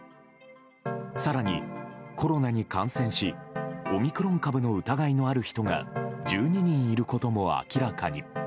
更に、コロナに感染しオミクロン株の疑いのある人が１２人いることも明らかに。